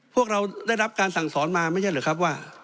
พวกเราได้รับการสั่งสอนมาไม่ใช่หรือครับว่า